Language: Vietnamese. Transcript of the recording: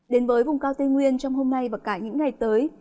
đến với vùng cao tây nguyên trong hôm nay và cả những ngày tới